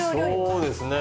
そうですね